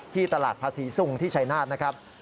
ที่ตลาดพาศีสุ่งที่ชัยนาธิ์นะครับ